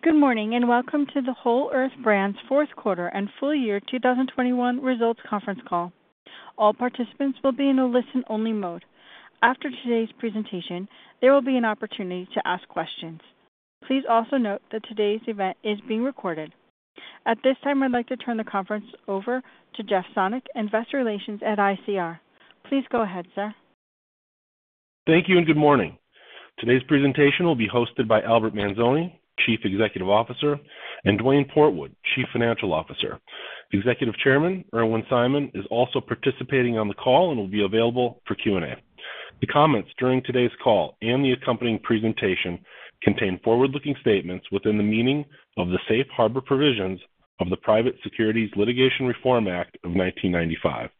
Good morning, and welcome to the Whole Earth Brands fourth quarter and full-year 2021 results conference call. All participants will be in a listen-only mode. After today's presentation, there will be an opportunity to ask questions. Please also note that today's event is being recorded. At this time, I'd like to turn the conference over to Jeff Sonnek, Investor Relations at ICR. Please go ahead, sir. Thank you and good morning. Today's presentation will be hosted by Albert Manzone, Chief Executive Officer, and Duane Portwood, Chief Financial Officer. The Executive Chairman, Irwin Simon, is also participating on the call and will be available for Q&A. The comments during today's call and the accompanying presentation contain forward-looking statements within the meaning of the safe harbor provisions of the Private Securities Litigation Reform Act of 1995.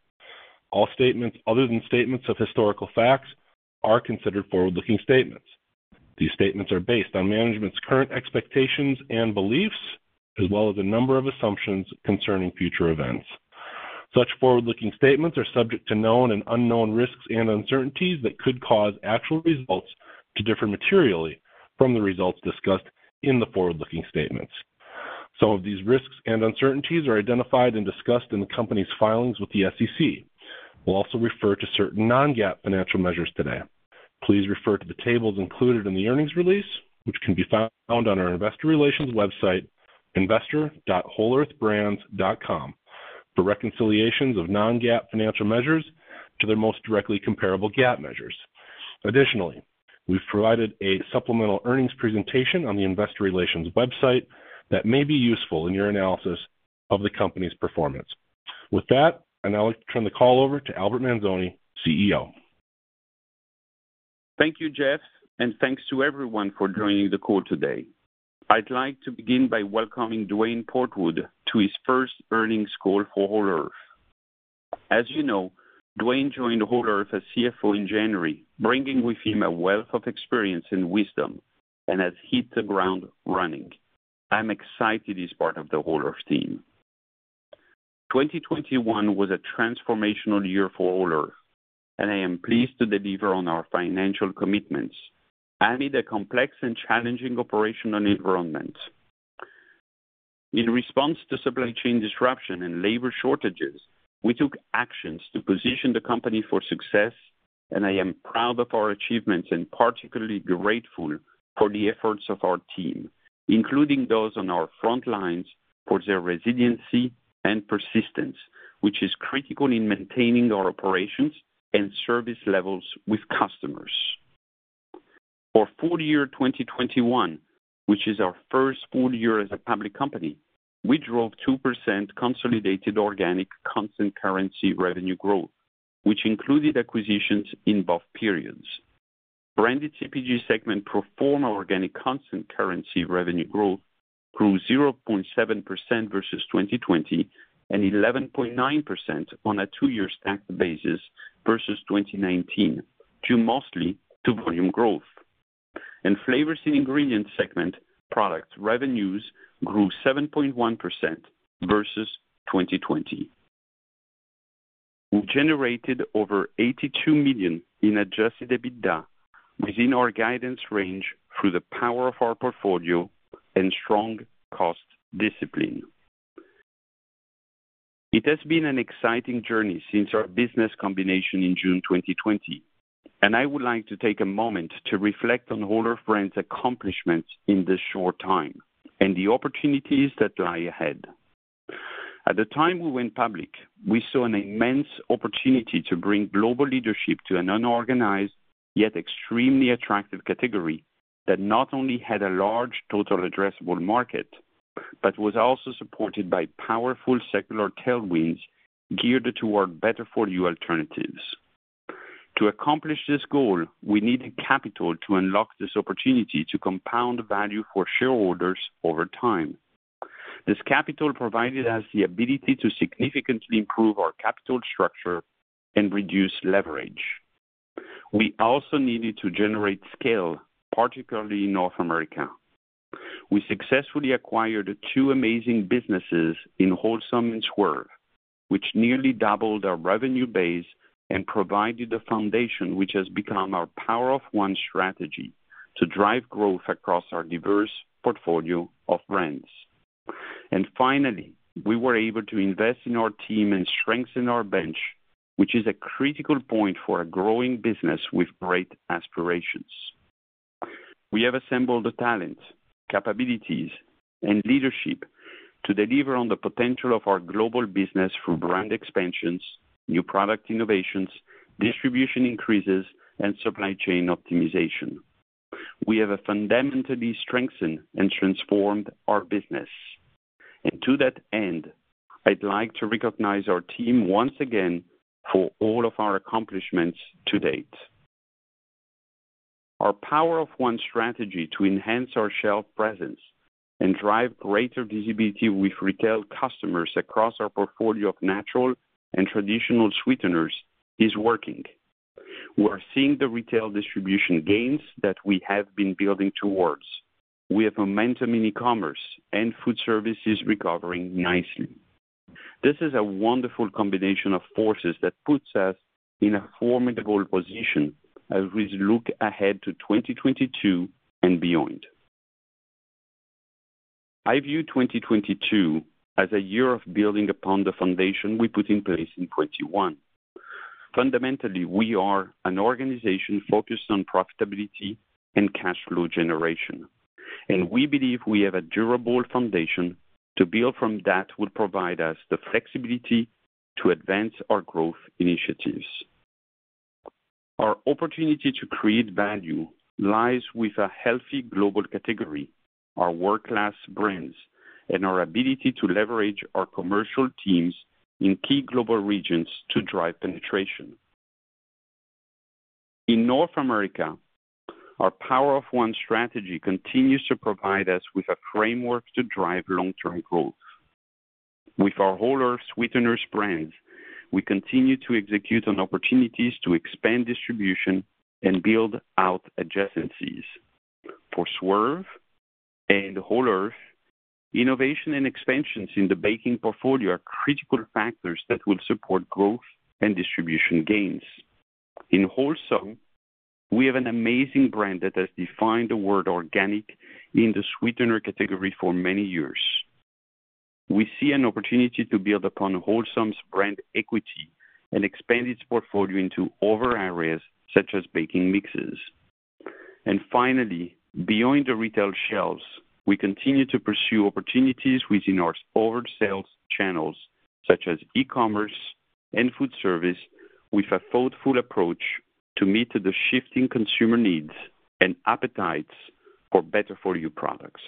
All statements other than statements of historical facts are considered forward-looking statements. These statements are based on management's current expectations and beliefs as well as a number of assumptions concerning future events. Such forward-looking statements are subject to known and unknown risks and uncertainties that could cause actual results to differ materially from the results discussed in the forward-looking statements. Some of these risks and uncertainties are identified and discussed in the company's filings with the SEC. We'll also refer to certain non-GAAP financial measures today. Please refer to the tables included in the earnings release which can be found on our Investor Relations website, investor.wholeearthbrands.com, for reconciliations of non-GAAP financial measures to their most directly comparable GAAP measures. Additionally, we've provided a supplemental earnings presentation on the investor relations website that may be useful in your analysis of the company's performance. With that, I'd now like to turn the call over to Albert Manzone, CEO. Thank you, Jeff, and thanks to everyone for joining the call today. I'd like to begin by welcoming Duane Portwood to his first earnings call for Whole Earth. As you know, Duane joined Whole Earth as CFO in January, bringing with him a wealth of experience and wisdom and has hit the ground running. I'm excited he's part of the Whole Earth team. 2021 was a transformational year for Whole Earth, and I am pleased to deliver on our financial commitments amid a complex and challenging operational environment. In response to supply chain disruption and labor shortages, we took actions to position the company for success, and I am proud of our achievements and particularly grateful for the efforts of our team, including those on our front lines for their resiliency and persistence, which is critical in maintaining our operations and service levels with customers. For full-year 2021, which is our first full-year as a public company, we drove 2% consolidated organic constant currency revenue growth, which included acquisitions in both periods. Branded CPG segment pro forma organic constant currency revenue growth grew 0.7% versus 2020 and 11.9% on a two-year stacked basis versus 2019, due mostly to volume growth. In Flavors & Ingredients segment, products revenues grew 7.1% versus 2020. We generated over $82 million in adjusted EBITDA within our guidance range through the power of our portfolio and strong cost discipline. It has been an exciting journey since our business combination in June 2020, and I would like to take a moment to reflect on Whole Earth Brands' accomplishments in this short time and the opportunities that lie ahead. At the time we went public, we saw an immense opportunity to bring global leadership to an unorganized, yet extremely attractive category that not only had a large total addressable market, but was also supported by powerful secular tailwinds geared toward better-for-you alternatives. To accomplish this goal, we needed capital to unlock this opportunity to compound value for shareholders over time. This capital provided us the ability to significantly improve our capital structure and reduce leverage. We also needed to generate scale, particularly in North America. We successfully acquired two amazing businesses in Wholesome and Swerve, which nearly doubled our revenue base and provided the foundation which has become our Power of One strategy to drive growth across our diverse portfolio of brands. Finally, we were able to invest in our team and strengthen our bench, which is a critical point for a growing business with great aspirations. We have assembled the talent, capabilities, and leadership to deliver on the potential of our global business through brand expansions, new product innovations, distribution increases, and supply chain optimization. We have fundamentally strengthened and transformed our business. To that end, I'd like to recognize our team once again for all of our accomplishments to date. Our Power of One strategy to enhance our shelf presence and drive greater visibility with retail customers across our portfolio of natural and traditional sweeteners is working. We are seeing the retail distribution gains that we have been building towards. We have momentum in e-commerce and food services recovering nicely. This is a wonderful combination of forces that puts us in a formidable position as we look ahead to 2022 and beyond. I view 2022 as a year of building upon the foundation we put in place in 2021. Fundamentally, we are an organization focused on profitability and cash flow generation, and we believe we have a durable foundation to build from that would provide us the flexibility to advance our growth initiatives. Our opportunity to create value lies with a healthy global category, our world-class brands, and our ability to leverage our commercial teams in key global regions to drive penetration. In North America, our Power of One strategy continues to provide us with a framework to drive long-term growth. With our Whole Earth Sweeteners brands, we continue to execute on opportunities to expand distribution and build out adjacencies. For Swerve and Whole Earth, innovation and expansions in the baking portfolio are critical factors that will support growth and distribution gains. In Wholesome, we have an amazing brand that has defined the word organic in the sweetener category for many years. We see an opportunity to build upon Wholesome's brand equity and expand its portfolio into other areas, such as baking mixes. Finally, beyond the retail shelves, we continue to pursue opportunities within our forward sales channels, such as e-commerce and food service, with a thoughtful approach to meet the shifting consumer needs and appetites for better for you products.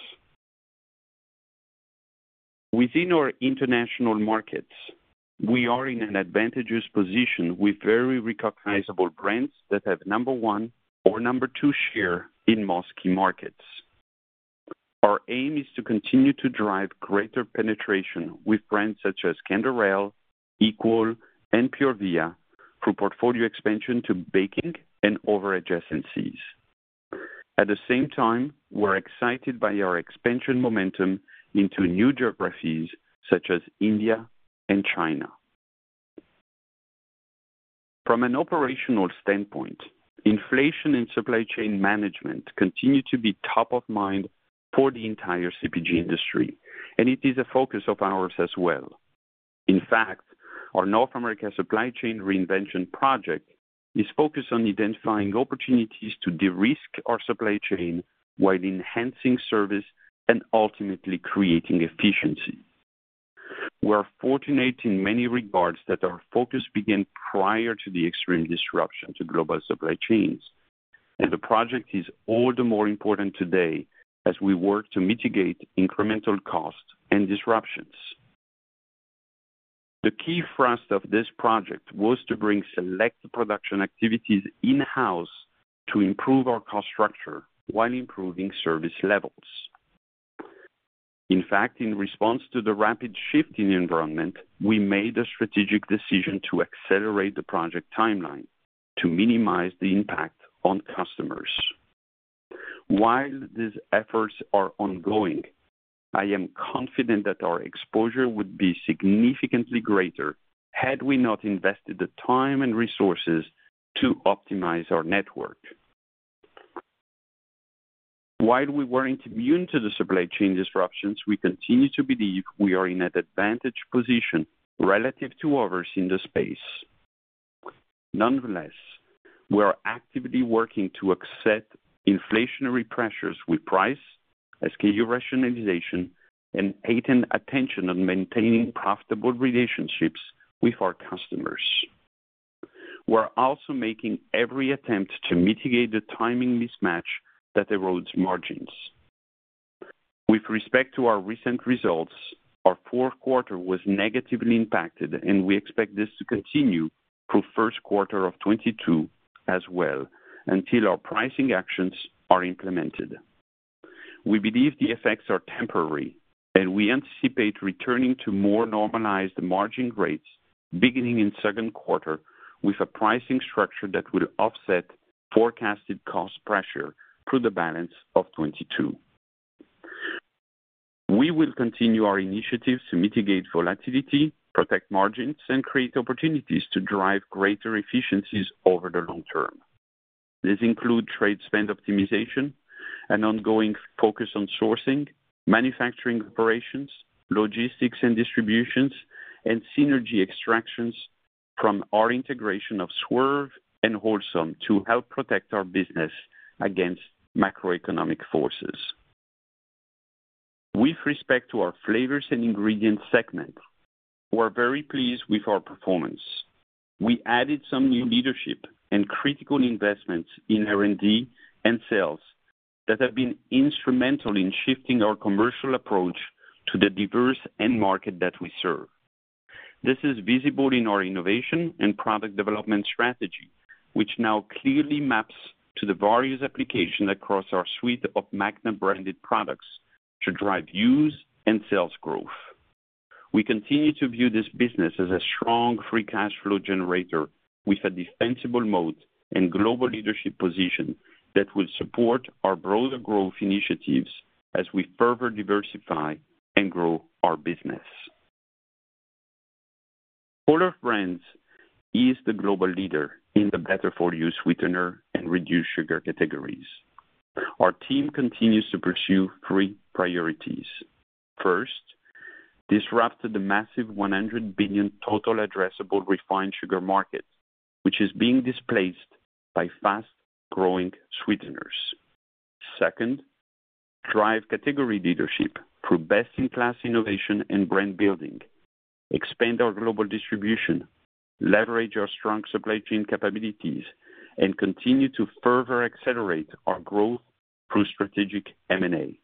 Within our international markets, we are in an advantageous position with very recognizable brands that have number one or number two share in most key markets. Our aim is to continue to drive greater penetration with brands such as Canderel, Equal, and Pure Via through portfolio expansion to baking and other adjacencies. At the same time, we're excited by our expansion momentum into new geographies such as India and China. From an operational standpoint, inflation and supply chain management continue to be top of mind for the entire CPG industry, and it is a focus of ours as well. In fact, our North America supply chain reinvention project is focused on identifying opportunities to de-risk our supply chain while enhancing service and ultimately creating efficiency. We are fortunate in many regards that our focus began prior to the extreme disruption to global supply chains, and the project is all the more important today as we work to mitigate incremental costs and disruptions. The key for us in this project was to bring select production activities in-house to improve our cost structure while improving service levels. In fact, in response to the rapid shift in environment, we made the strategic decision to accelerate the project timeline to minimize the impact on customers. While these efforts are ongoing, I am confident that our exposure would be significantly greater had we not invested the time and resources to optimize our network. While we weren't immune to the supply chain disruptions, we continue to believe we are in an advantaged position relative to others in the space. Nonetheless, we are actively working to offset inflationary pressures with price, SKU rationalization, and heightened attention on maintaining profitable relationships with our customers. We're also making every attempt to mitigate the timing mismatch that erodes margins. With respect to our recent results, our fourth quarter was negatively impacted, and we expect this to continue through first quarter of 2022 as well until our pricing actions are implemented. We believe the effects are temporary, and we anticipate returning to more normalized margin rates beginning in second quarter with a pricing structure that will offset forecasted cost pressure through the balance of 2022. We will continue our initiatives to mitigate volatility, protect margins, and create opportunities to drive greater efficiencies over the long term. These include trade spend optimization, an ongoing focus on sourcing, manufacturing operations, logistics and distributions, and synergy extractions from our integration of Swerve and Wholesome to help protect our business against macroeconomic forces. With respect to our Flavors & Ingredients segment, we're very pleased with our performance. We added some new leadership and critical investments in R&D and sales that have been instrumental in shifting our commercial approach to the diverse end market that we serve. This is visible in our innovation and product development strategy, which now clearly maps to the various applications across our suite of Magnasweet branded products to drive use and sales growth. We continue to view this business as a strong free cash flow generator with a defensible moat and global leadership position that will support our broader growth initiatives. We further diversify and grow our business. Whole Earth Brands is the global leader in the better-for-you sweetener and reduced sugar categories. Our team continues to pursue three priorities. First, disrupt the massive $100 billion total addressable refined sugar market, which is being displaced by fast-growing sweeteners. Second, drive category leadership through best-in-class innovation and brand building, expand our global distribution, leverage our strong supply chain capabilities, and continue to further accelerate our growth through strategic M&A.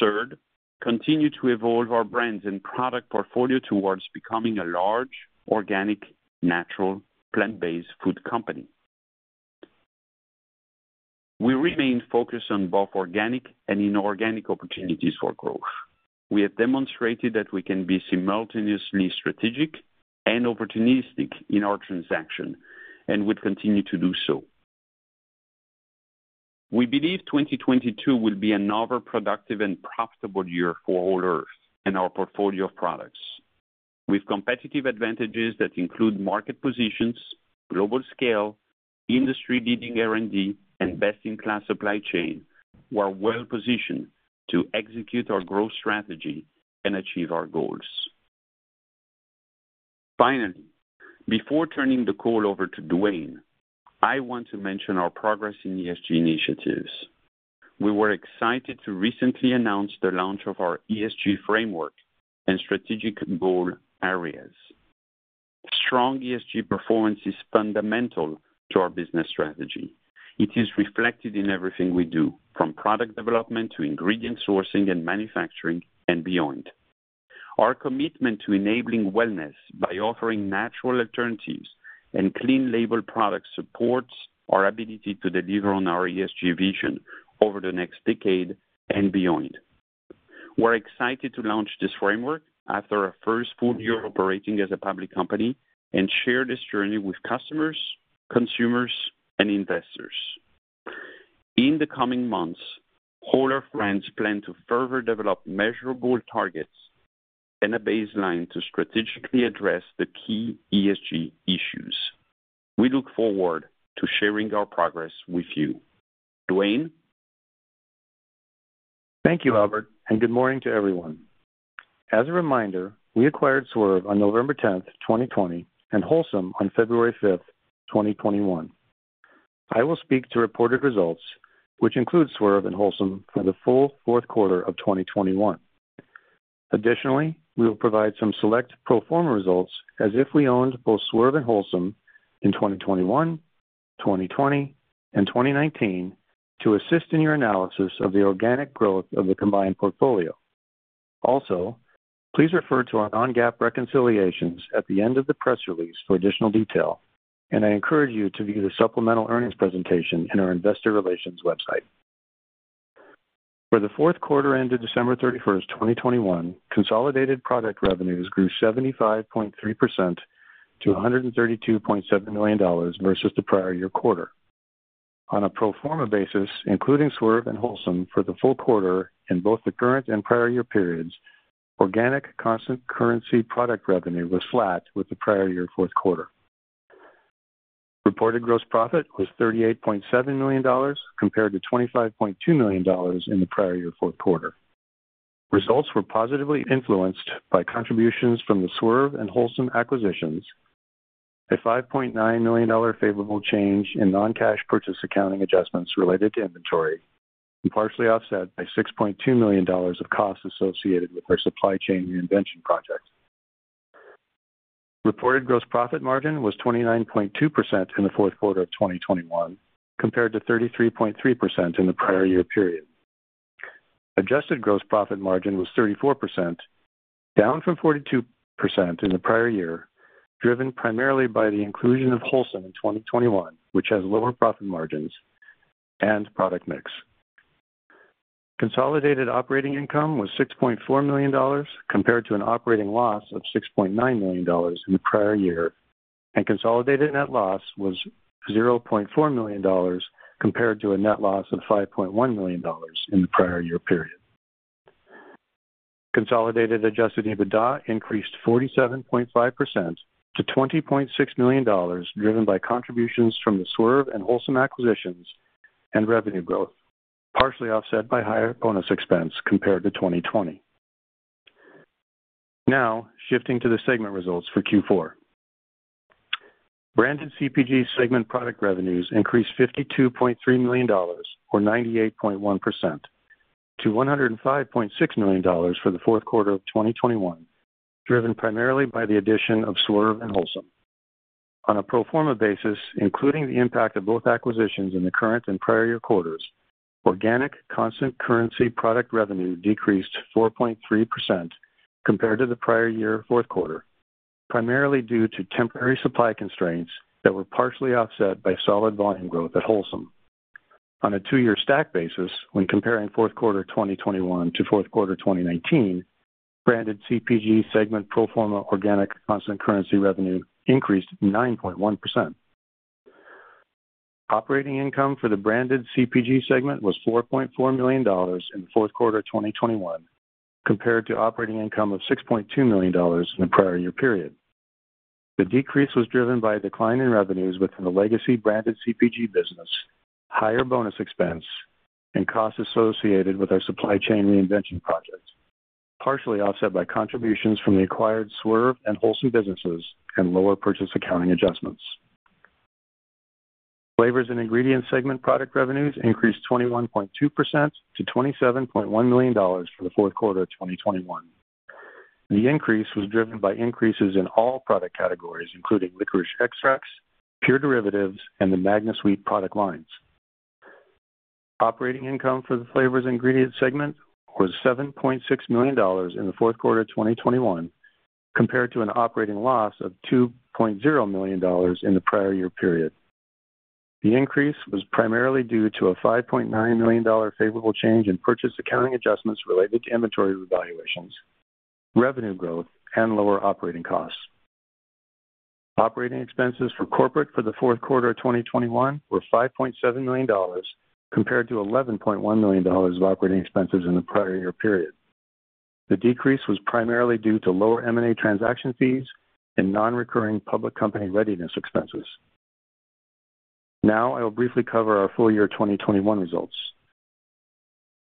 Third, continue to evolve our brands and product portfolio towards becoming a large organic, natural, plant-based food company. We remain focused on both organic and inorganic opportunities for growth. We have demonstrated that we can be simultaneously strategic and opportunistic in our transaction and will continue to do so. We believe 2022 will be another productive and profitable year for Whole Earth and our portfolio of products. With competitive advantages that include market positions, global scale, industry-leading R&D, and best-in-class supply chain, we're well-positioned to execute our growth strategy and achieve our goals. Finally, before turning the call over to Duane, I want to mention our progress in ESG initiatives. We were excited to recently announce the launch of our ESG framework and strategic goal areas. Strong ESG performance is fundamental to our business strategy. It is reflected in everything we do, from product development to ingredient sourcing and manufacturing and beyond. Our commitment to enabling wellness by offering natural alternatives and clean label products supports our ability to deliver on our ESG vision over the next decade and beyond. We're excited to launch this framework after our first full-year operating as a public company and share this journey with customers, consumers, and investors. In the coming months, Whole Earth Brands plan to further develop measurable targets and a baseline to strategically address the key ESG issues. We look forward to sharing our progress with you. Duane? Thank you, Albert, and good morning to everyone. As a reminder, we acquired Swerve on November 10, 2020, and Wholesome on February 5, 2021. I will speak to reported results, which include Swerve and Wholesome for the full fourth quarter of 2021. Additionally, we will provide some select pro forma results as if we owned both Swerve and Wholesome in 2021, 2020, and 2019 to assist in your analysis of the organic growth of the combined portfolio. Also, please refer to our non-GAAP reconciliations at the end of the press release for additional detail, and I encourage you to view the supplemental earnings presentation in our investor relations website. For the fourth quarter ended December 31, 2021, consolidated product revenues grew 75.3% to $132.7 million versus the prior year quarter. On a pro forma basis, including Swerve and Wholesome for the full quarter in both the current and prior year periods, organic constant currency product revenue was flat with the prior year fourth quarter. Reported gross profit was $38.7 million compared to $25.2 million in the prior year fourth quarter. Results were positively influenced by contributions from the Swerve and Wholesome acquisitions, a $5.9 million favorable change in non-cash purchase accounting adjustments related to inventory, and partially offset by $6.2 million of costs associated with our supply chain reinvention project. Reported gross profit margin was 29.2% in the fourth quarter of 2021, compared to 33.3% in the prior year period. Adjusted gross profit margin was 34%, down from 42% in the prior year, driven primarily by the inclusion of Wholesome in 2021, which has lower profit margins and product mix. Consolidated operating income was $6.4 million, compared to an operating loss of $6.9 million in the prior year, and consolidated net loss was $0.4 million, compared to a net loss of $5.1 million in the prior year period. Consolidated adjusted EBITDA increased 47.5% to $20.6 million, driven by contributions from the Swerve and Wholesome acquisitions and revenue growth, partially offset by higher bonus expense compared to 2020. Now, shifting to the segment results for Q4. Branded CPG segment product revenues increased $52.3 million, or 98.1% to $105.6 million for the fourth quarter of 2021, driven primarily by the addition of Swerve and Wholesome. On a pro forma basis, including the impact of both acquisitions in the current and prior year quarters, organic constant currency product revenue decreased 4.3% compared to the prior year fourth quarter, primarily due to temporary supply constraints that were partially offset by solid volume growth at Wholesome. On a two-year stack basis, when comparing fourth quarter 2021 to fourth quarter 2019, Branded CPG segment pro forma organic constant currency revenue increased 9.1%. Operating income for the Branded CPG segment was $4.4 million in the fourth quarter of 2021 compared to operating income of $6.2 million in the prior year period. The decrease was driven by a decline in revenues within the legacy Branded CPG business, higher bonus expense, and costs associated with our supply chain reinvention projects, partially offset by contributions from the acquired Swerve and Wholesome businesses and lower purchase accounting adjustments. Flavors & Ingredients segment product revenues increased 21.2% to $27.1 million for the fourth quarter of 2021. The increase was driven by increases in all product categories, including licorice extracts, pure derivatives, and the Magnasweet product lines. Operating income for the Flavors & Ingredients segment was $7.6 million in the fourth quarter of 2021 compared to an operating loss of $2.0 million in the prior year period. The increase was primarily due to a $5.9 million favorable change in purchase accounting adjustments related to inventory revaluations, revenue growth, and lower operating costs. Operating expenses for corporate for the fourth quarter of 2021 were $5.7 million compared to $11.1 million of operating expenses in the prior year period. The decrease was primarily due to lower M&A transaction fees and non-recurring public company readiness expenses. Now I will briefly cover our full-year 2021 results.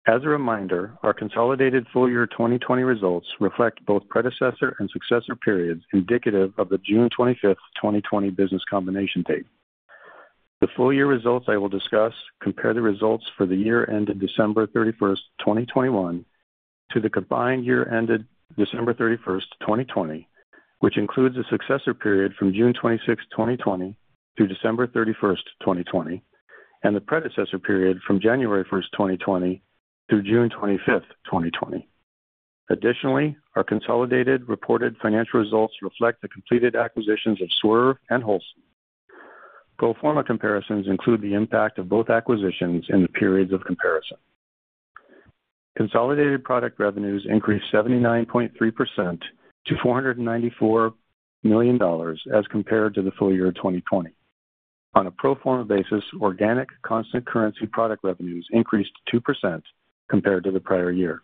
As a reminder, our consolidated full-year 2020 results reflect both predecessor and successor periods indicative of the June 25, 2020 business combination date. The full-year results I will discuss compare the results for the year ended December 31, 2021 to the combined year ended December 31, 2020, which includes the successor period from June 26, 2020 to December 31, 2020, and the predecessor period from January 1, 2020 to June 25, 2020. Additionally, our consolidated reported financial results reflect the completed acquisitions of Swerve and Wholesome. Pro forma comparisons include the impact of both acquisitions in the periods of comparison. Consolidated product revenues increased 79.3% to $494 million as compared to the full-year of 2020. On a pro forma basis, organic constant currency product revenues increased 2% compared to the prior year.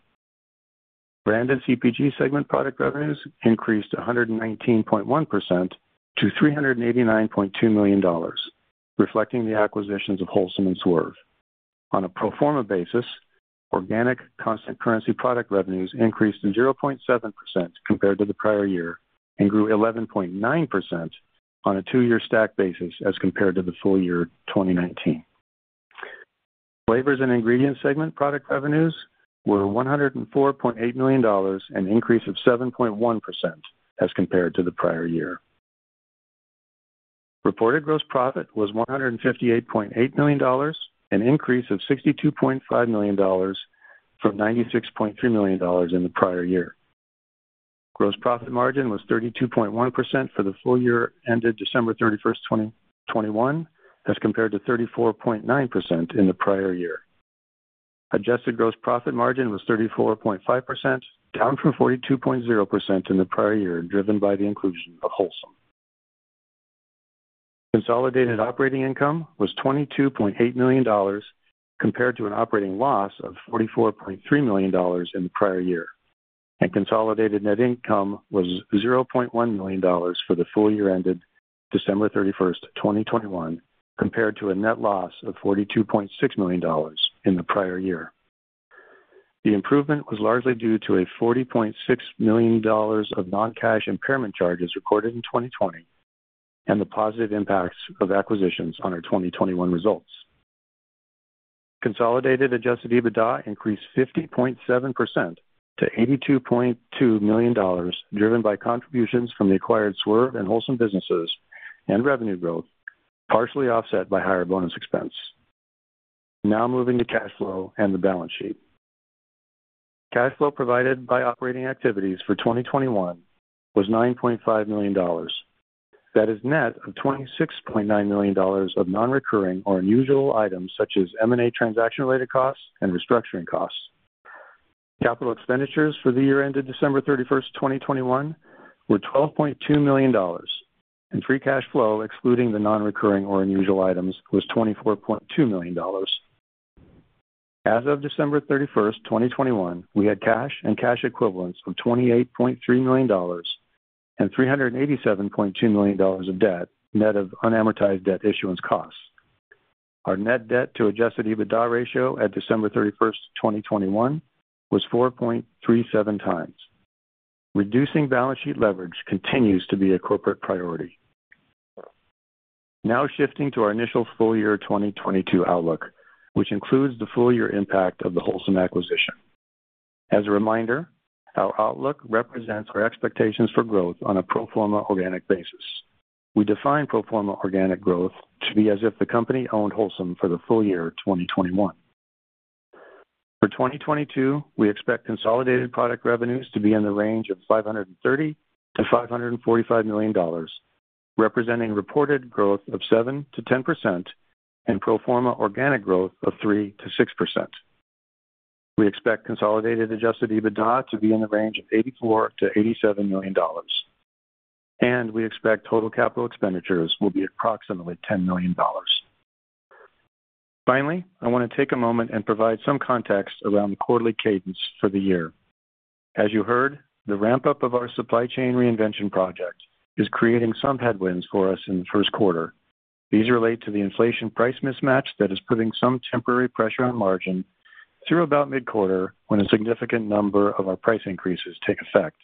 Branded CPG segment product revenues increased 119.1% to $389.2 million, reflecting the acquisitions of Wholesome and Swerve. On a pro forma basis, organic constant currency product revenues increased 0.7% compared to the prior year and grew 11.9% on a two-year stack basis as compared to the full-year 2019. Flavors & Ingredients segment product revenues were $104.8 million, an increase of 7.1% as compared to the prior year. Reported gross profit was $158.8 million, an increase of $62.5 million from $96.3 million in the prior year. Gross profit margin was 32.1% for the full-year ended December 31, 2021, as compared to 34.9% in the prior year. Adjusted gross profit margin was 34.5%, down from 42.0% in the prior year, driven by the inclusion of Wholesome. Consolidated operating income was $22.8 million compared to an operating loss of $44.3 million in the prior year. Consolidated net income was $0.1 million for the full-year ended December 31, 2021, compared to a net loss of $42.6 million in the prior year. The improvement was largely due to $40.6 million of non-cash impairment charges recorded in 2020 and the positive impacts of acquisitions on our 2021 results. Consolidated adjusted EBITDA increased 50.7% to $82.2 million, driven by contributions from the acquired Swerve and Wholesome businesses and revenue growth, partially offset by higher bonus expense. Now moving to cash flow and the balance sheet. Cash flow provided by operating activities for 2021 was $9.5 million. That is net of $26.9 million of non-recurring or unusual items such as M&A transaction-related costs and restructuring costs. Capital expenditures for the year ended December 31, 2021 were $12.2 million. Free cash flow, excluding the non-recurring or unusual items, was $24.2 million. As of December 31, 2021, we had cash and cash equivalents of $28.3 million and $387.2 million of debt, net of unamortized debt issuance costs. Our net debt to adjusted EBITDA ratio at December 31, 2021 was 4.37x. Reducing balance sheet leverage continues to be a corporate priority. Now shifting to our initial full-year 2022 outlook, which includes the full-year impact of the Wholesome acquisition. As a reminder, our outlook represents our expectations for growth on a pro forma organic basis. We define pro forma organic growth to be as if the company owned Wholesome for the full-year 2021. For 2022, we expect consolidated product revenues to be in the range of $530 million-$545 million, representing reported growth of 7%-10% and pro forma organic growth of 3%-6%. We expect consolidated adjusted EBITDA to be in the range of $84 million-$87 million. We expect total capital expenditures will be approximately $10 million. Finally, I want to take a moment and provide some context around the quarterly cadence for the year. As you heard, the ramp-up of our supply chain reinvention project is creating some headwinds for us in the first quarter. These relate to the inflation price mismatch that is putting some temporary pressure on margin through about mid-quarter, when a significant number of our price increases take effect.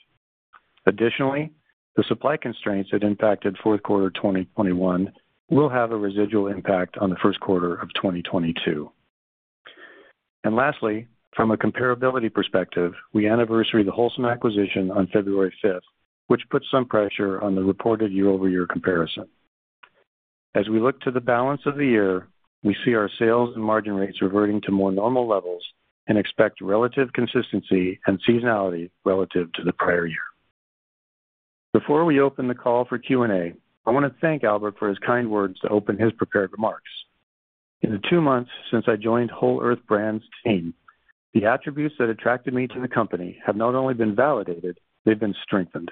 Additionally, the supply constraints that impacted fourth quarter 2021 will have a residual impact on the first quarter of 2022. Lastly, from a comparability perspective, we anniversary the Wholesome acquisition on February 5, which puts some pressure on the reported year-over-year comparison. As we look to the balance of the year, we see our sales and margin rates reverting to more normal levels and expect relative consistency and seasonality relative to the prior year. Before we open the call for Q&A, I want to thank Albert for his kind words to open his prepared remarks. In the two months since I joined Whole Earth Brands team, the attributes that attracted me to the company have not only been validated, they've been strengthened.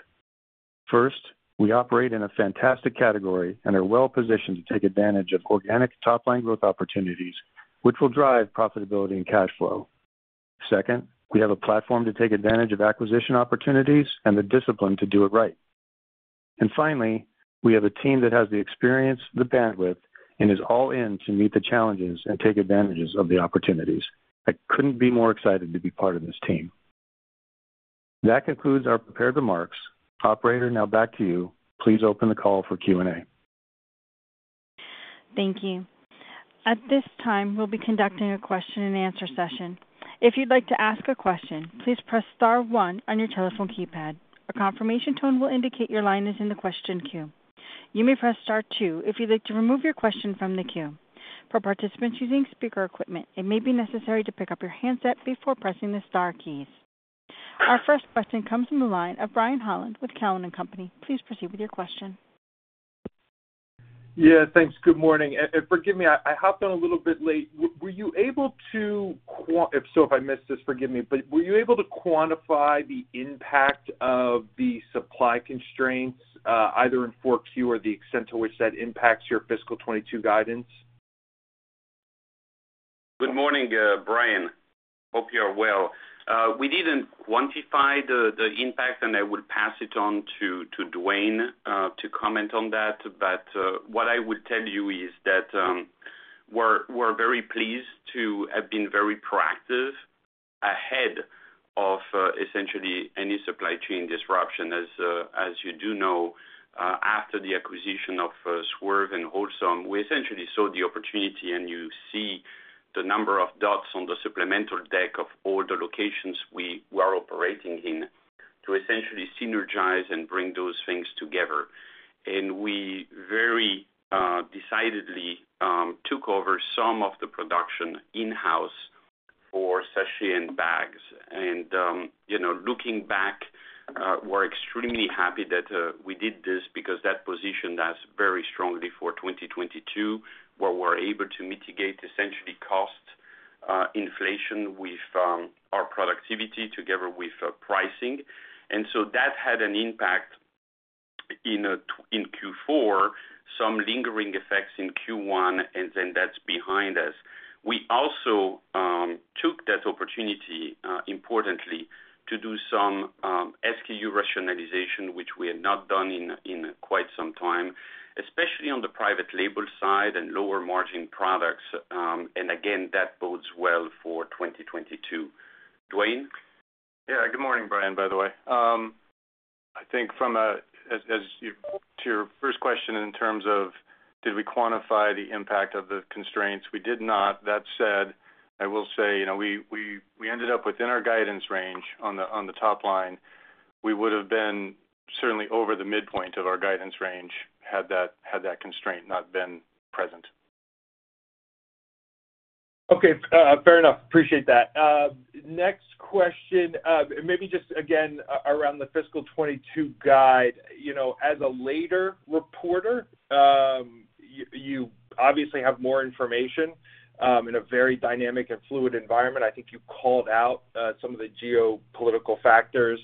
First, we operate in a fantastic category and are well-positioned to take advantage of organic top line growth opportunities, which will drive profitability and cash flow. Second, we have a platform to take advantage of acquisition opportunities and the discipline to do it right. Finally, we have a team that has the experience, the bandwidth, and is all in to meet the challenges and take advantages of the opportunities. I couldn't be more excited to be part of this team. That concludes our prepared remarks. Operator, now back to you. Please open the call for Q&A. Thank you. At this time, we'll be conducting a question-and-answer session. If you'd like to ask a question, please press star one on your telephone keypad. A confirmation tone will indicate your line is in the question queue. You may press star two if you'd like to remove your question from the queue. For participants using speaker equipment, it may be necessary to pick up your handset before pressing the star keys. Our first question comes from the line of Brian Holland with Cowen and Company. Please proceed with your question. Yeah, thanks. Good morning. Forgive me, I hopped on a little bit late. If so, if I missed this, forgive me, but were you able to quantify the impact of the supply constraints, either in 4Q or the extent to which that impacts your fiscal year 2022 guidance? Good morning, Brian. Hope you are well. We didn't quantify the impact, and I would pass it on to Duane to comment on that. What I would tell you is that we're very pleased to have been very proactive ahead of essentially any supply chain disruption. As you do know, after the acquisition of Swerve and Wholesome, we essentially saw the opportunity, and you see the number of dots on the supplemental deck of all the locations we're operating in, to essentially synergize and bring those things together. We very decidedly took over some of the production in-house for sachet and bags. You know, looking back, we're extremely happy that we did this because that positioned us very strongly for 2022, where we're able to mitigate essentially cost inflation with our productivity together with pricing. That had an impact in Q4, some lingering effects in Q1, and then that's behind us. We also took that opportunity, importantly, to do some SKU rationalization, which we had not done in quite some time, especially on the private label side and lower margin products. Again, that bodes well for 2022. Duane? Yeah. Good morning, Brian, by the way. I think to your first question in terms of did we quantify the impact of the constraints, we did not. That said, I will say we ended up within our guidance range on the top line. We would have been certainly over the midpoint of our guidance range had that constraint not been present. Okay. Fair enough. Appreciate that. Next question, maybe just again around the fiscal year 2022 guide. You know, as a late reporter, you obviously have more information in a very dynamic and fluid environment. I think you called out some of the geopolitical factors,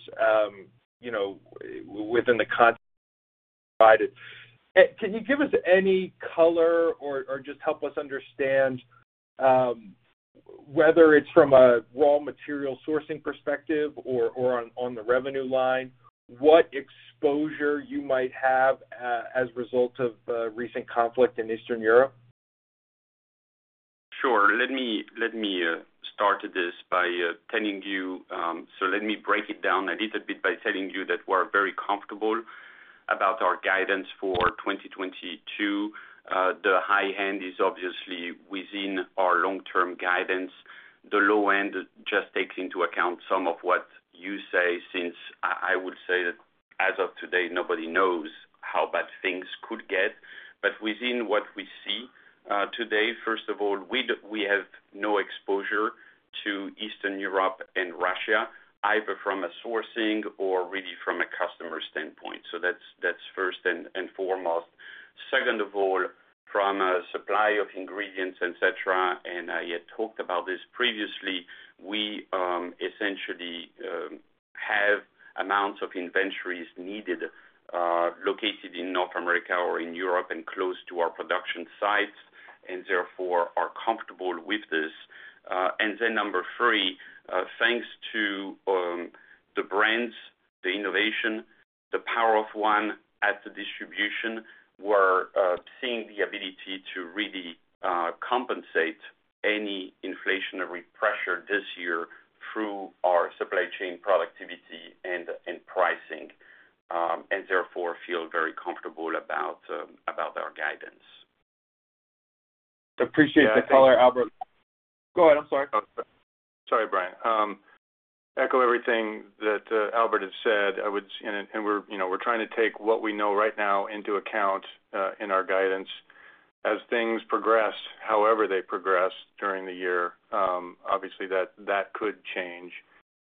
you know, within the context provided. Can you give us any color or just help us understand whether it's from a raw material sourcing perspective or on the revenue line, what exposure you might have as a result of recent conflict in Eastern Europe? Sure. Let me start this by telling you, so let me break it down a little bit by telling you that we're very comfortable about our guidance for 2022. The high end is obviously within our long-term guidance. The low end just takes into account some of what you say, since I would say that as of today, nobody knows how bad things could get. Within what we see today, first of all, we have no exposure to Eastern Europe and Russia, either from a sourcing or really from a customer standpoint. That's first and foremost. Second of all, from a supply of ingredients, et cetera, and I had talked about this previously, we essentially have amounts of inventories needed located in North America or in Europe and close to our production sites, and therefore are comfortable with this. Number three, thanks to the brands, the innovation, the Power of One at the distribution, we're seeing the ability to really compensate any inflationary pressure this year through our supply chain productivity and pricing, and therefore feel very comfortable about our guidance. Appreciate the color, Albert. Yeah, I think. Go ahead. I'm sorry. Oh, sorry. Sorry, Brian. Echo everything that Albert has said. We're trying to take what we know right now into account in our guidance. As things progress, however they progress during the year, obviously that could change.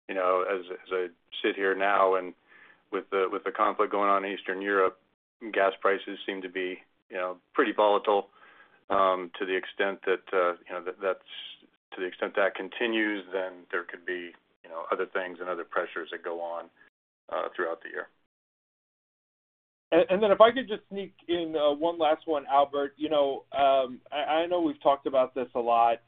You know, as I sit here now and with the conflict going on in Eastern Europe, gas prices seem to be, you know, pretty volatile. To the extent that continues, then there could be, you know, other things and other pressures that go on throughout the year. If I could just sneak in one last one, Albert. You know, I know we've talked about this a lot,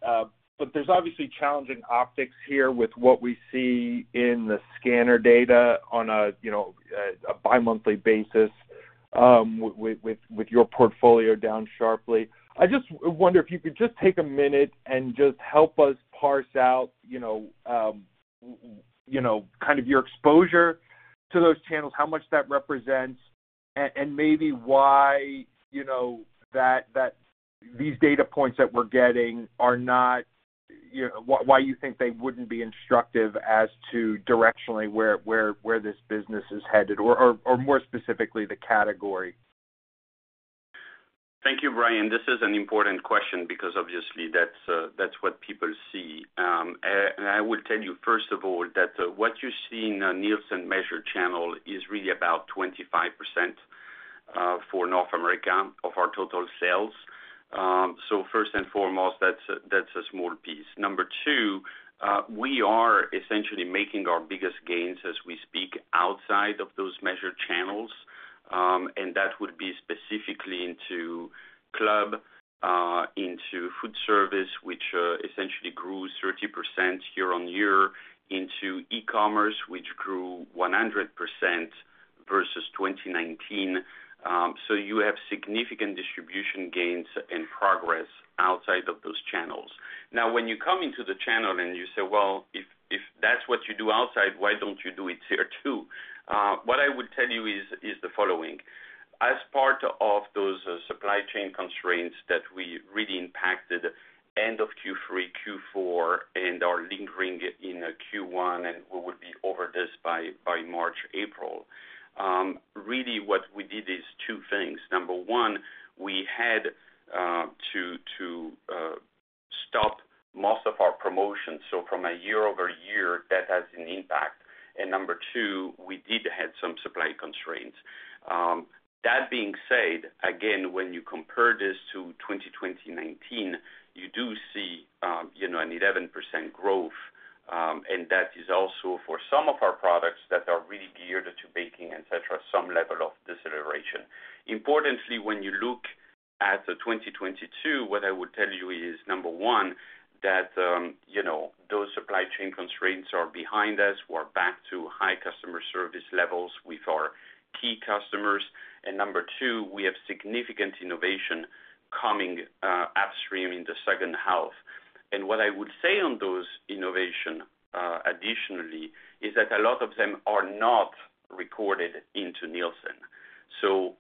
but there's obviously challenging optics here with what we see in the scanner data on a you know bimonthly basis with your portfolio down sharply. I just wonder if you could just take a minute and just help us parse out you know kind of your exposure to those channels, how much that represents and maybe why you know that these data points that we're getting are not you know why you think they wouldn't be instructive as to directionally where this business is headed or more specifically the category. Thank you, Brian. This is an important question because obviously that's what people see. And I will tell you, first of all, that what you see in a Nielsen measured channel is really about 25% for North America of our total sales. So first and foremost, that's a small piece. Number two, we are essentially making our biggest gains as we speak outside of those measured channels, and that would be specifically into club, into food service, which essentially grew 30% year-over-year into e-commerce, which grew 100% versus 2019. So you have significant distribution gains and progress outside of those channels. Now, when you come into the channel and you say, "Well, if that's what you do outside, why don't you do it here too?" what I would tell you is the following: As part of those supply chain constraints that we really impacted end of Q3, Q4, and are lingering in Q1, and we would be over this by March, April, really what we did is two things. Number one, we had to stop most of our promotions, so from a year-over-year, that has an impact. Number two, we did have some supply constraints. That being said, again, when you compare this to 2020-2019, you do see, you know, an 11% growth, and that is also for some of our products that are really geared to baking, et cetera, some level of deceleration. Importantly, when you look at the 2022, what I would tell you is, number one, that, you know, those supply chain constraints are behind us. We're back to high customer service levels with our key customers. Number two, we have significant innovation coming, upstream in the second half. What I would say on those innovation, additionally, is that a lot of them are not recorded into Nielsen.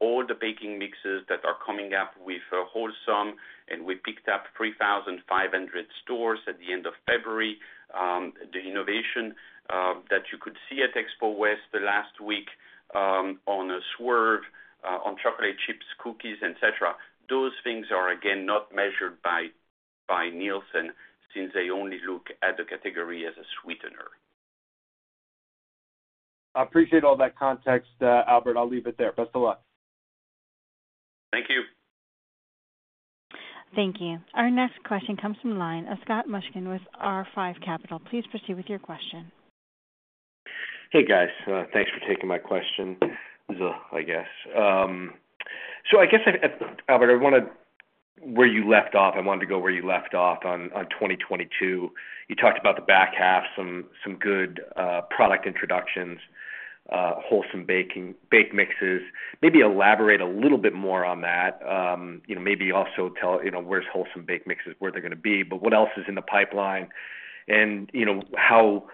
All the baking mixes that are coming up with Wholesome, and we picked up 3,500 stores at the end of February, the innovation that you could see at Expo West last week, on Swerve, on chocolate chips, cookies, et cetera, those things are again not measured by Nielsen since they only look at the category as a sweetener. I appreciate all that context, Albert. I'll leave it there. Best of luck. Thank you. Thank you. Our next question comes from the line of Scott Mushkin with R5 Capital. Please proceed with your question. Hey, guys. Thanks for taking my question, I guess. So I guess, Albert, I wanted to go where you left off on 2022. You talked about the back half, some good product introductions, Wholesome bake mixes. Maybe elaborate a little bit more on that. You know, maybe also tell, you know, where Wholesome bake mixes are gonna be, but what else is in the pipeline? You know, how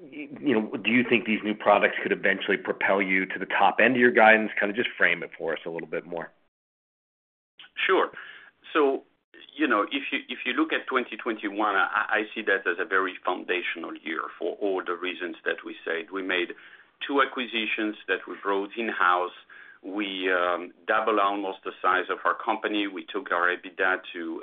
do you think these new products could eventually propel you to the top end of your guidance? Kind of just frame it for us a little bit more. Sure. You know, if you look at 2021, I see that as a very foundational year for all the reasons that we said. We made two acquisitions that we brought in-house. We doubled almost the size of our company. We took our EBITDA to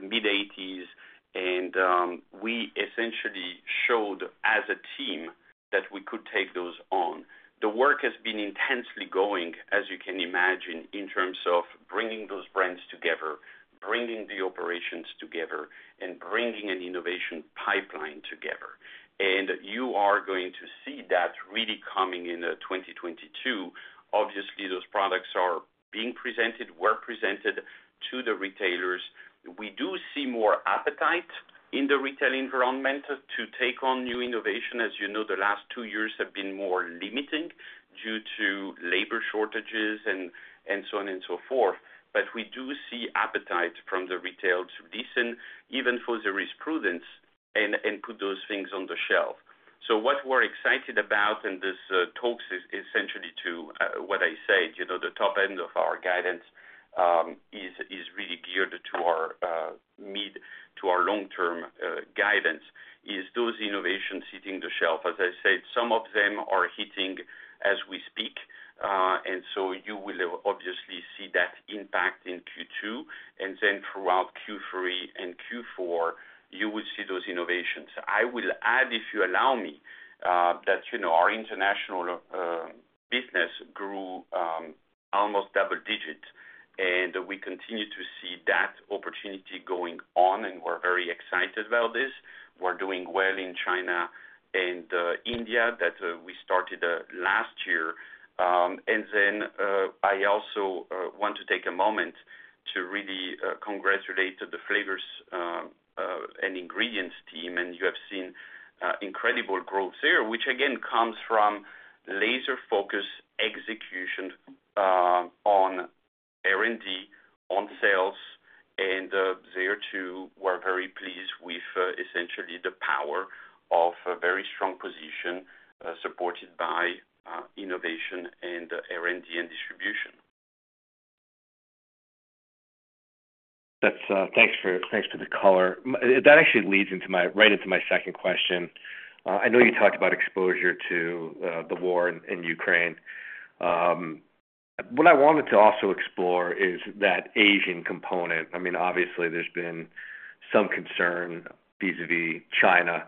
mid-$80s, and we essentially showed as a team that we could take those on. The work has been intensely going, as you can imagine, in terms of bringing those brands together, bringing the operations together, and bringing an innovation pipeline together. You are going to see that really coming in 2022. Obviously, those products are being presented, were presented to the retailers. We do see more appetite in the retail environment to take on new innovation. As you know, the last two years have been more limiting due to labor shortages and so on and so forth. We do see appetite from the retailers to listen, even for riskier products, and put those things on the shelf. What we're excited about in these talks is essentially what I said, you know, the top end of our guidance is really geared to our mid- to long-term guidance, those innovations hitting the shelf. As I said, some of them are hitting as we speak. You will obviously see that impact in Q2, and then throughout Q3 and Q4, you will see those innovations. I will add, if you allow me, that, you know, our international business grew almost double digits, and we continue to see that opportunity going on, and we're very excited about this. We're doing well in China and India that we started last year. I also want to take a moment to really congratulate the Flavors & Ingredients team. You have seen incredible growth there, which again comes from laser-focused execution on R&D, on sales, and there too, we're very pleased with essentially the power of a very strong position supported by innovation and R&D and distribution. That's thanks for the color. That actually leads right into my second question. I know you talked about exposure to the war in Ukraine. What I wanted to also explore is that Asian component. I mean, obviously, there's been some concern vis-à-vis China.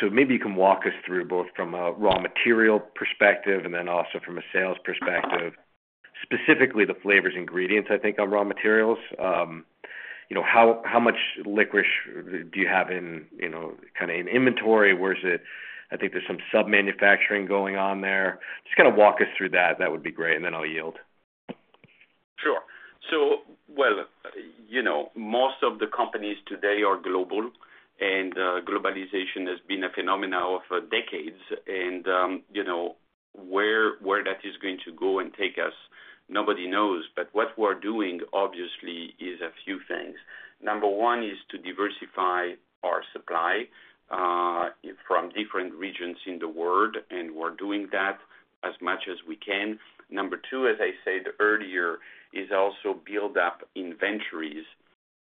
So maybe you can walk us through both from a raw material perspective and then also from a sales perspective, specifically the Flavors & Ingredients, I think, on raw materials. You know, how much licorice do you have in, you know, kind of in inventory? Where is it? I think there's some sub manufacturing going on there. Just kind of walk us through that. That would be great. Then I'll yield. Sure. Well, you know, most of the companies today are global, and globalization has been a phenomenon of decades. Well, you know, where that is going to take us, nobody knows. What we're doing obviously is a few things. Number one is to diversify our supply from different regions in the world, and we're doing that as much as we can. Number two, as I said earlier, is also build up inventories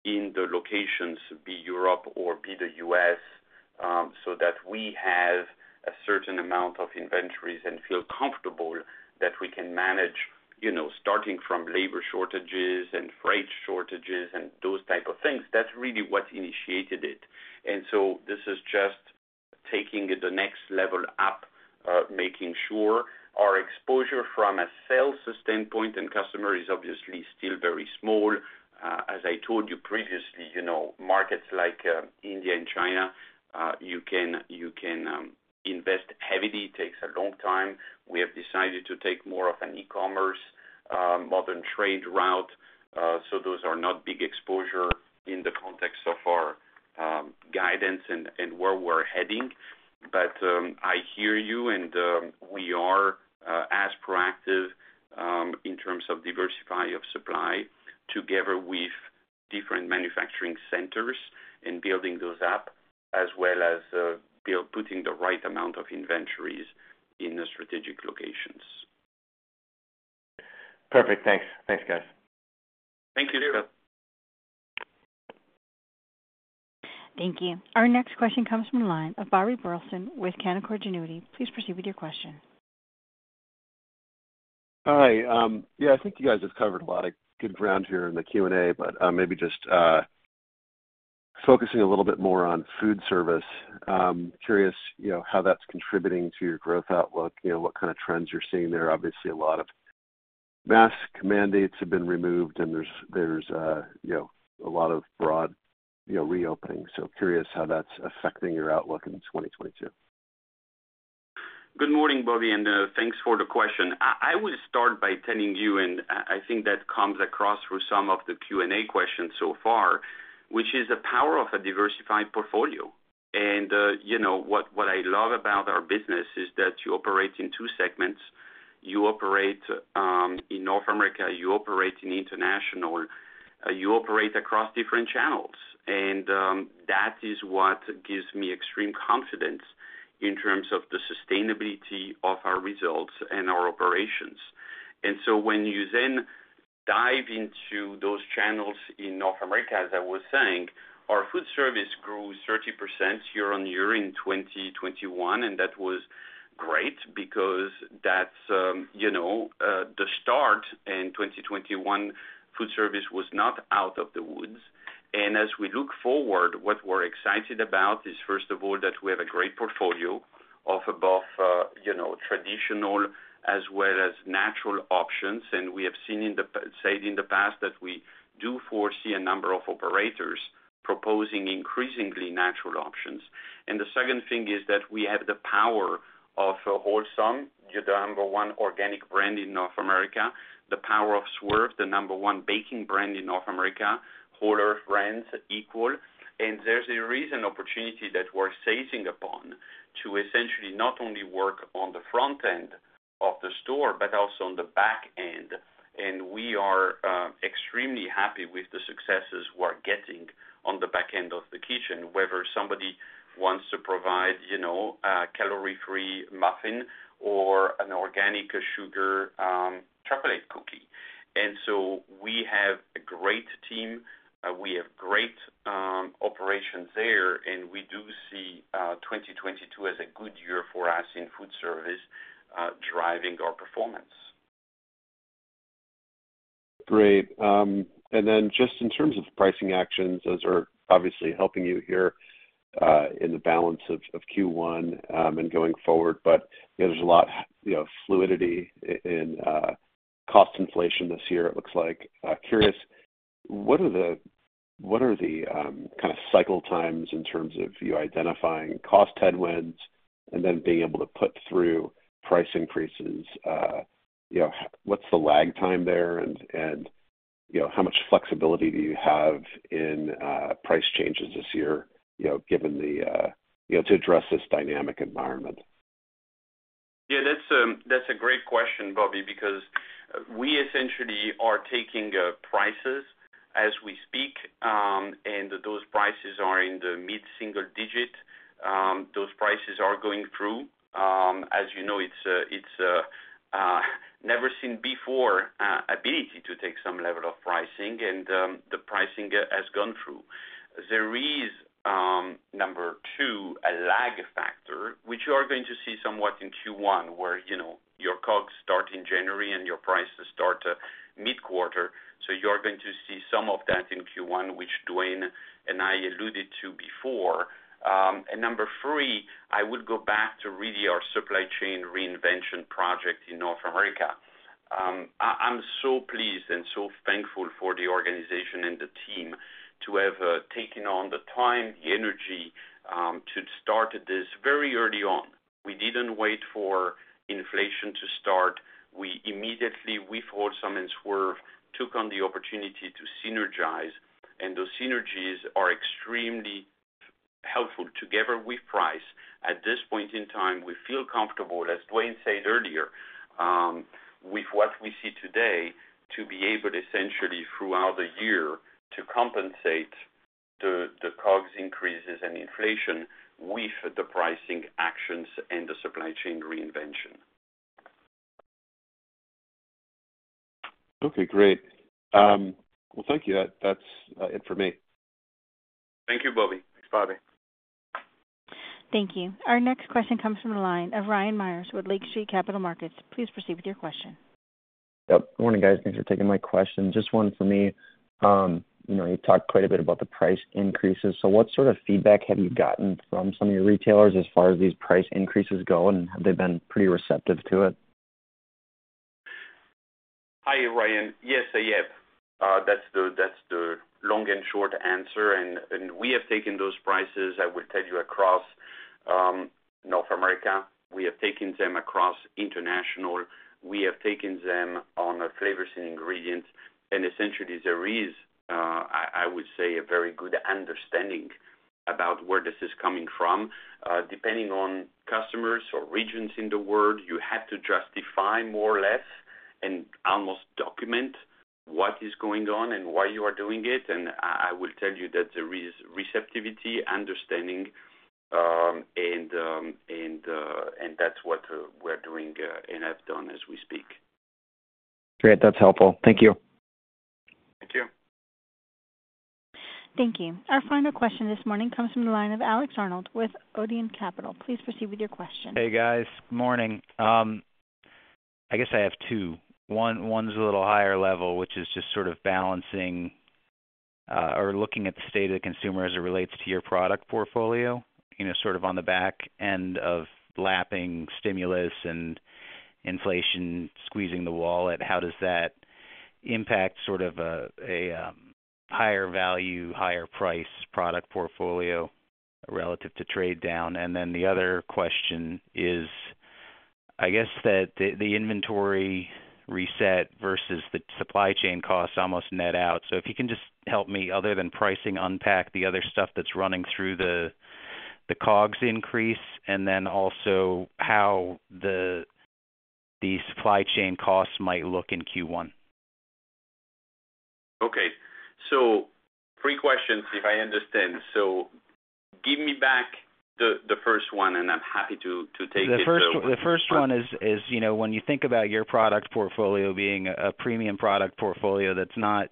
in the locations, be Europe or be the U.S., so that we have a certain amount of inventories and feel comfortable that we can manage, you know, starting from labor shortages and freight shortages and those type of things. That's really what initiated it. This is just taking it the next level up, making sure our exposure from a sales standpoint and customer is obviously still very small. As I told you previously, you know, markets like India and China, you can invest heavily. It takes a long time. We have decided to take more of an e-commerce modern trade route. So those are not big exposure in the context of our guidance and where we're heading. I hear you, and we are as proactive in terms of diversification of supply together with different manufacturing centers and building those up, as well as putting the right amount of inventories in the strategic locations. Perfect. Thanks. Thanks, guys. Thank you. Thank you. Our next question comes from the line of Bobby Burleson with Canaccord Genuity. Please proceed with your question. Hi. Yeah, I think you guys have covered a lot of good ground here in the Q&A, but maybe just focusing a little bit more on food service. Curious, you know, how that's contributing to your growth outlook. You know, what kind of trends you're seeing there. Obviously, a lot of mask mandates have been removed, and there's a lot of broad reopening. Curious how that's affecting your outlook in 2022. Good morning, Bobby, and thanks for the question. I will start by telling you, and I think that comes across through some of the Q&A questions so far, which is the power of a diversified portfolio. You know, what I love about our business is that you operate in two segments. You operate in North America, you operate in international, you operate across different channels. That is what gives me extreme confidence in terms of the sustainability of our results and our operations. When you then dive into those channels in North America, as I was saying, our food service grew 30% year-over-year in 2021, and that was right, because that's the start in 2021, food service was not out of the woods. As we look forward, what we're excited about is, first of all, that we have a great portfolio of above, you know, traditional as well as natural options. We have said in the past that we do foresee a number of operators proposing increasingly natural options. The second thing is that we have the power of Wholesome, the number one organic brand in North America, the power of Swerve, the number one baking brand in North America, Whole Earth, Equal. There's a tremendous opportunity that we're seizing upon to essentially not only work on the front end of the store, but also on the back end. We are extremely happy with the successes we're getting on the back end of the kitchen, whether somebody wants to provide, you know, a calorie-free muffin or an organic sugar chocolate cookie. We have a great team. We have great operations there, and we do see 2022 as a good year for us in food service, driving our performance. Great. Then just in terms of pricing actions, those are obviously helping you here, in the balance of Q1, and going forward. There's a lot you know, fluidity in cost inflation this year it looks like. I'm curious, what are the kind of cycle times in terms of you identifying cost headwinds and then being able to put through price increases? You know, what's the lag time there and you know, how much flexibility do you have in price changes this year, you know, given the you know, to address this dynamic environment? Yeah, that's a great question, Bobby, because we essentially are taking prices as we speak, and those prices are in the mid-single digit. Those prices are going through. As you know, it's a never seen before ability to take some level of pricing, and the pricing has gone through. There is number two, a lag factor, which you are going to see somewhat in Q1, where, you know, your COGS start in January and your prices start mid-quarter. You're going to see some of that in Q1, which Duane and I alluded to before. Number three, I would go back to really our supply chain reinvention project in North America. I'm so pleased and so thankful for the organization and the team to have taken on the time, the energy, to start this very early on. We didn't wait for inflation to start. We immediately, with Wholesome and Swerve, took on the opportunity to synergize, and those synergies are extremely helpful. Together with price, at this point in time, we feel comfortable, as Duane said earlier, with what we see today to be able to essentially throughout the year to compensate the COGS increases and inflation with the pricing actions and the supply chain reinvention. Okay, great. Well, thank you. That's it for me. Thank you, Bobby. Thanks, Bobby. Thank you. Our next question comes from the line of Ryan Meyers with Lake Street Capital Markets. Please proceed with your question. Yep. Morning, guys. Thanks for taking my question. Just one for me. You know, you talked quite a bit about the price increases. What sort of feedback have you gotten from some of your retailers as far as these price increases go, and have they been pretty receptive to it? Hi, Ryan. Yes, I have. That's the long and short answer. We have taken those prices, I will tell you, across North America. We have taken them across international. We have taken them on our Flavors & Ingredients. Essentially, there is, I would say, a very good understanding about where this is coming from. Depending on customers or regions in the world, you have to justify more or less and almost document what is going on and why you are doing it. I will tell you that there is receptivity, understanding, and that's what we're doing and have done as we speak. Great. That's helpful. Thank you. Thank you. Thank you. Our final question this morning comes from the line of Alex Arnold with Odeon Capital. Please proceed with your question. Hey, guys. Morning. I guess I have two. One, one's a little higher level, which is just sort of balancing or looking at the state of the consumer as it relates to your product portfolio. You know, sort of on the back end of lapping stimulus and inflation squeezing the wallet, how does that impact sort of a higher value, higher price product portfolio relative to trade down? And then the other question is, I guess that the inventory reset versus the supply chain costs almost net out. If you can just help me, other than pricing, unpack the other stuff that's running through the COGS increase, and then also how the supply chain costs might look in Q1. Okay. Three questions if I understand. Give me back the first one, and I'm happy to take it. The first one is, you know, when you think about your product portfolio being a premium product portfolio that's not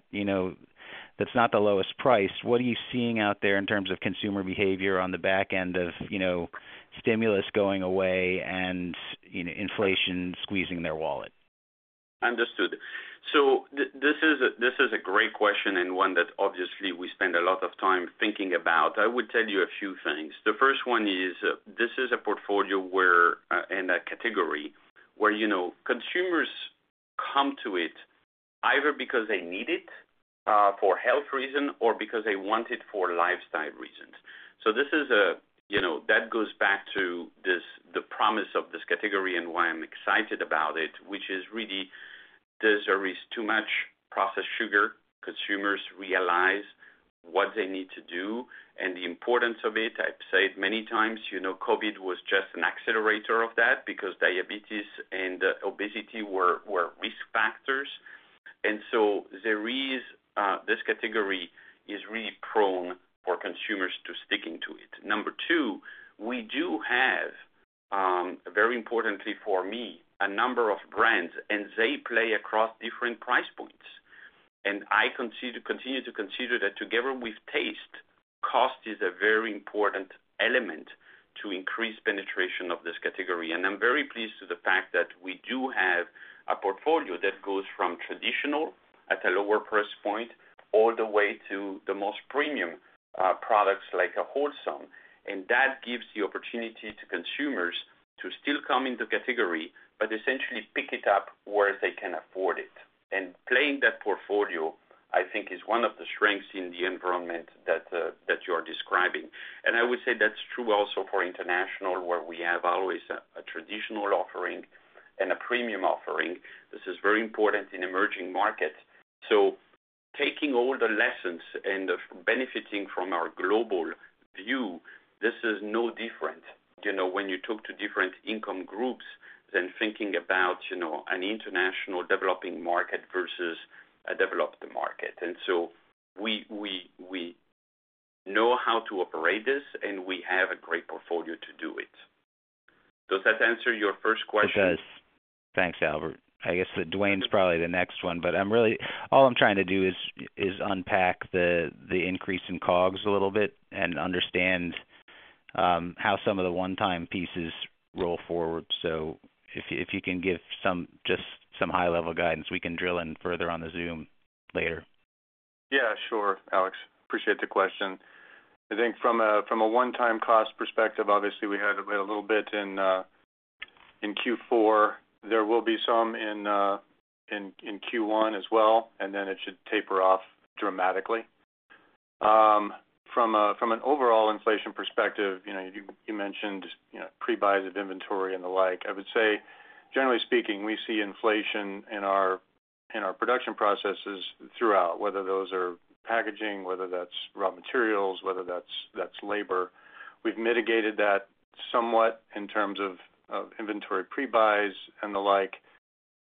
the lowest price. What are you seeing out there in terms of consumer behavior on the back end of, you know, stimulus going away and, you know, inflation squeezing their wallet? Understood. This is a great question and one that obviously we spend a lot of time thinking about. I would tell you a few things. The first one is this is a portfolio where, in that category where, you know, consumers come to it either because they need it, for health reason or because they want it for lifestyle reasons. This is a, you know, that goes back to this, the promise of this category and why I'm excited about it, which is really there's always too much processed sugar. Consumers realize what they need to do and the importance of it. I've said many times, you know, COVID was just an accelerator of that because diabetes and obesity were risk factors. This category is really prone for consumers to sticking to it. Number two, we do have, very importantly for me, a number of brands, and they play across different price points. I continue to consider that together with taste, cost is a very important element to increase penetration of this category. I'm very pleased with the fact that we do have a portfolio that goes from traditional at a lower price point all the way to the most premium, products like a Wholesome. That gives the opportunity to consumers to still come in the category but essentially pick it up where they can afford it. Playing that portfolio, I think is one of the strengths in the environment that you are describing. I would say that's true also for international, where we have always a traditional offering and a premium offering. This is very important in emerging markets. Taking all the lessons and of benefiting from our global view, this is no different, you know, when you talk to different income groups than thinking about, you know, an international developing market versus a developed market. We know how to operate this, and we have a great portfolio to do it. Does that answer your first question? It does. Thanks, Albert. I guess that Duane's probably the next one, but I'm really all I'm trying to do is unpack the increase in COGS a little bit and understand how some of the one-time pieces roll forward. If you can give some, just some high-level guidance, we can drill in further on the Zoom later. Yeah, sure, Alex. Appreciate the question. I think from a one-time cost perspective, obviously we had a little bit in Q4. There will be some in Q1 as well, and then it should taper off dramatically. From an overall inflation perspective, you know, you mentioned, you know, pre-buy of inventory and the like. I would say generally speaking, we see inflation in our production processes throughout, whether those are packaging, whether that's raw materials, whether that's labor. We've mitigated that somewhat in terms of inventory pre-buys and the like.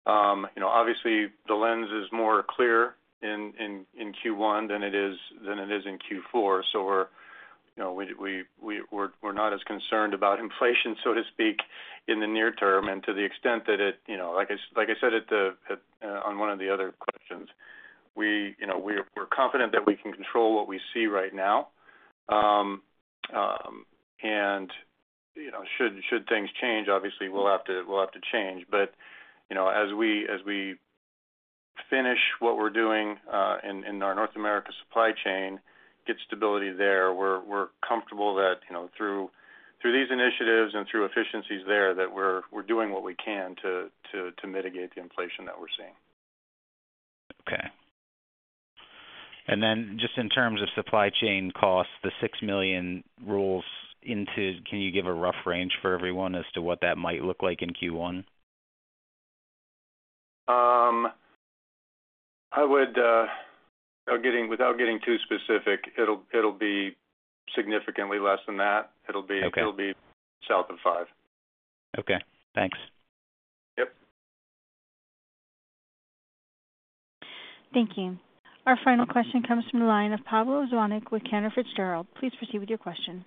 You know, obviously the lens is more clear in Q1 than it is in Q4. So we're, you know, we're not as concerned about inflation, so to speak, in the near term. To the extent that it, you know, like I said on one of the other questions, you know, we're confident that we can control what we see right now. You know, should things change, obviously we'll have to change. You know, as we finish what we're doing in our North America supply chain, get stability there, we're comfortable that, you know, through these initiatives and through efficiencies there, that we're doing what we can to mitigate the inflation that we're seeing. Okay. Just in terms of supply chain costs, the $6 million rolls into. Can you give a rough range for everyone as to what that might look like in Q1? I would without getting too specific, it'll be significantly less than that. Okay. It'll be south of $5 million. Okay, thanks. Yep. Thank you. Our final question comes from the line of Pablo Zuanic with Cantor Fitzgerald. Please proceed with your question.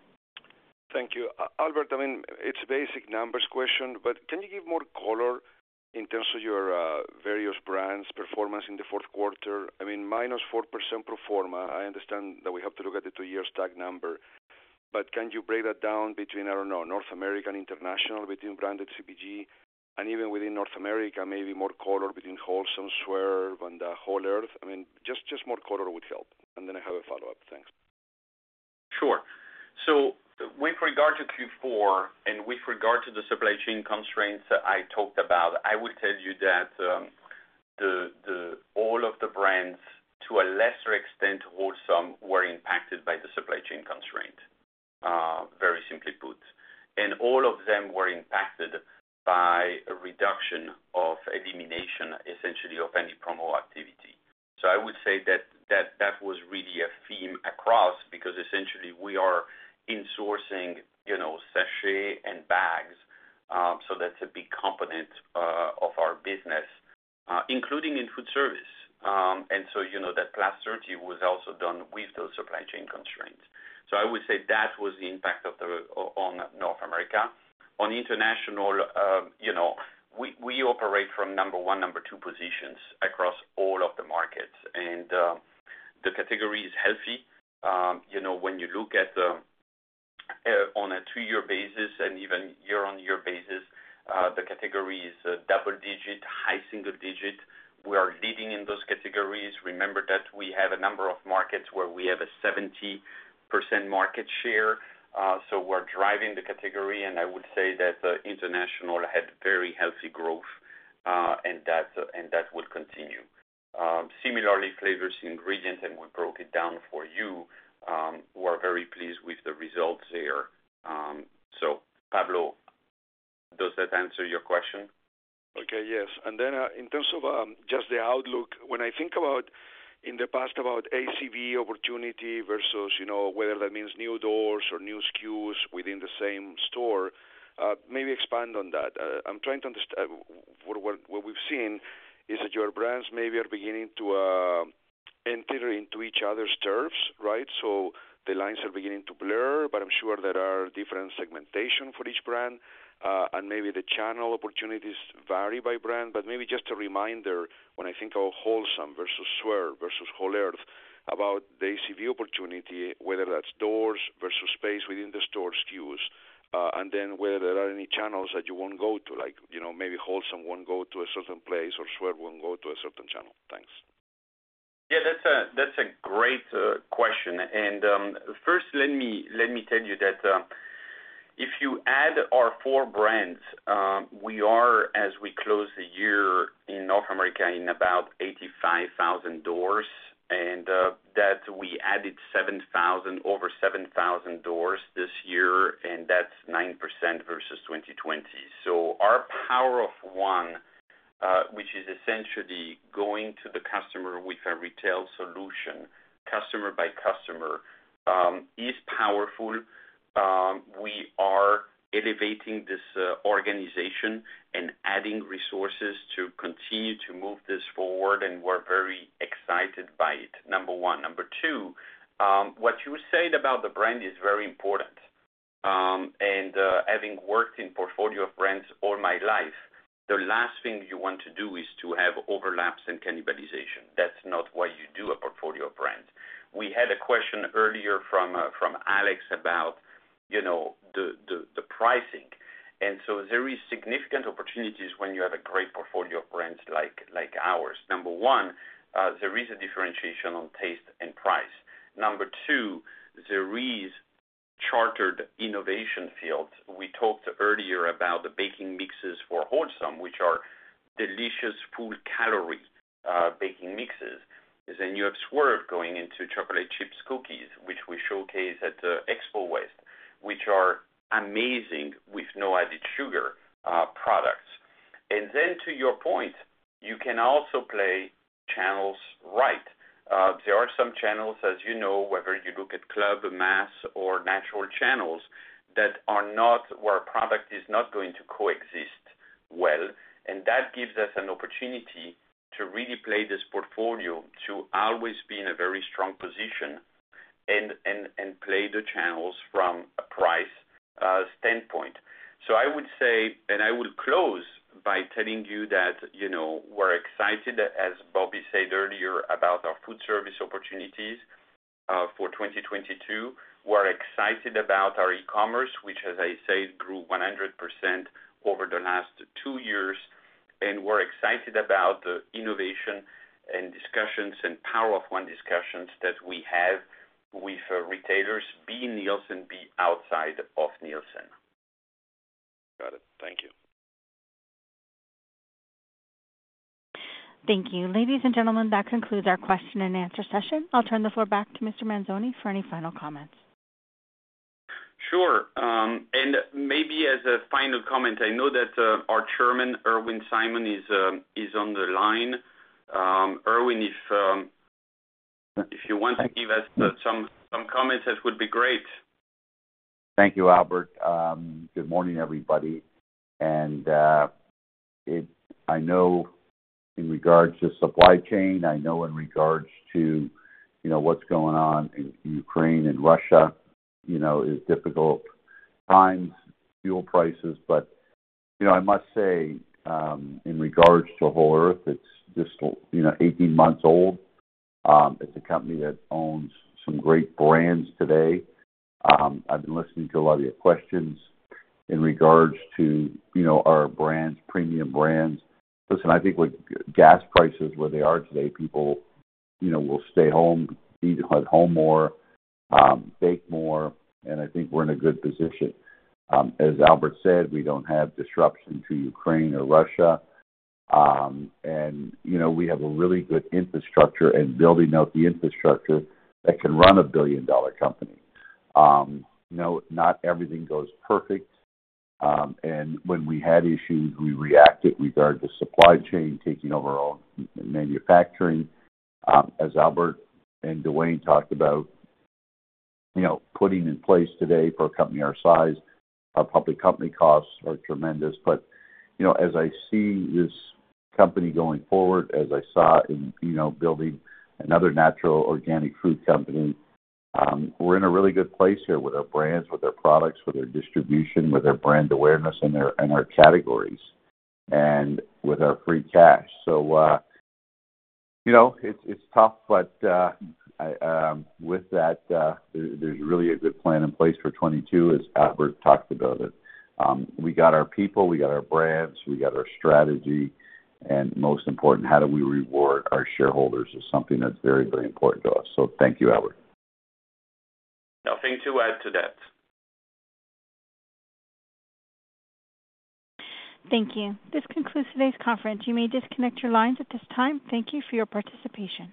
Thank you. Albert, I mean, it's a basic numbers question, but can you give more color in terms of your various brands' performance in the fourth quarter? I mean, -4% pro forma, I understand that we have to look at the two-year stack number, but can you break that down between, I don't know, North America and international, between branded CPG and even within North America, maybe more color between Wholesome, Swerve and Whole Earth. I mean, just more color would help. Then I have a follow-up. Thanks. Sure. With regard to Q4 and with regard to the supply chain constraints I talked about, I would tell you that all of the brands, to a lesser extent, Wholesome, were impacted by the supply chain constraint, very simply put. All of them were impacted by a reduction or elimination, essentially, of any promo activity. I would say that was really a theme across because essentially we are insourcing sachet and bags. That's a big component of our business, including in food service. That class 30 was also done with those supply chain constraints. I would say that was the impact on North America. On international, we operate from number one, number two positions across all of the markets. The category is healthy. When you look at it on a two-year basis and even year-on-year basis, the category is double-digit, high single-digit. We are leading in those categories. Remember that we have a number of markets where we have a 70% market share, so we're driving the category, and I would say that the international had very healthy growth, and that will continue. Similarly, Flavors & Ingredients, and we broke it down for you, we're very pleased with the results there. So Pablo, does that answer your question? Okay. Yes. Then, in terms of just the outlook, when I think about in the past about ACV opportunity versus, you know, whether that means new doors or new SKUs within the same store, maybe expand on that. What we've seen is that your brands maybe are beginning to enter into each other's turfs, right? The lines are beginning to blur, but I'm sure there are different segmentation for each brand, and maybe the channel opportunities vary by brand. Maybe just a reminder, when I think of Wholesome versus Swerve versus Whole Earth, about the ACV opportunity, whether that's doors versus space within the store SKUs, and then whether there are any channels that you won't go to, like, you know, maybe Wholesome won't go to a certain place or Swerve won't go to a certain channel. Thanks. Yeah, that's a great question. First, let me tell you that if you add our four brands, we are, as we close the year in North America in about 85,000 doors, and that we added over 7,000 doors this year, and that's 9% versus 2020. Our Power of One, which is essentially going to the customer with a retail solution, customer by customer, is powerful. We are elevating this organization and adding resources to continue to move this forward, and we're very excited by it, number one. Number two, what you said about the brand is very important. Having worked in portfolio of brands all my life, the last thing you want to do is to have overlaps and cannibalization. That's not why you do a portfolio of brands. We had a question earlier from Alex about, you know, the pricing. There is significant opportunities when you have a great portfolio of brands like ours. Number one, there is a differentiation on taste and price. Number two, there is chartered innovation field. We talked earlier about the baking mixes for Wholesome, which are delicious full calorie baking mixes. Then you have Swerve going into chocolate chips cookies, which we showcase at Expo West, which are amazing with no added sugar products. To your point, you can also play channels right. There are some channels, as you know, whether you look at club, mass or natural channels, that are not where a product is not going to coexist well. That gives us an opportunity to really play this portfolio to always be in a very strong position and play the channels from a price standpoint. I would say, and I will close by telling you that, you know, we're excited, as Bobby said earlier, about our food service opportunities for 2022. We're excited about our e-commerce, which, as I said, grew 100% over the last two years. We're excited about innovation and discussions and Power of One discussions that we have with retailers, be Nielsen, be outside of Nielsen. Got it. Thank you. Thank you. Ladies and gentlemen, that concludes our question and answer session. I'll turn the floor back to Mr. Manzone for any final comments. Sure. Maybe as a final comment, I know that our Chairman, Irwin Simon, is on the line. Irwin, if you want to give us some comments, that would be great. Thank you, Albert. Good morning, everybody. I know in regards to supply chain, you know, what's going on in Ukraine and Russia, you know, is difficult times, fuel prices. I must say, in regards to Whole Earth, it's just 18 months old. It's a company that owns some great brands today. I've been listening to a lot of your questions in regards to, you know, our brands, premium brands. Listen, I think with gas prices where they are today, people, you know, will stay home, eat at home more, bake more, and I think we're in a good position. As Albert said, we don't have disruption to Ukraine or Russia. We have a really good infrastructure and building out the infrastructure that can run a billion-dollar company. You know, not everything goes perfect. When we had issues, we reacted with regard to supply chain, taking over our own manufacturing. As Albert and Duane talked about, you know, putting in place today for a company our size, our public company costs are tremendous. You know, as I see this company going forward, as I saw in, you know, building another natural organic food company, we're in a really good place here with our brands, with our products, with our distribution, with our brand awareness and our categories, and with our free cash. You know, it's tough, but with that, there's really a good plan in place for 2022, as Albert talked about it. We got our people, we got our brands, we got our strategy, and most important, how do we reward our shareholders is something that's very, very important to us. Thank you, Albert. Nothing to add to that. Thank you. This concludes today's conference. You may disconnect your lines at this time. Thank you for your participation.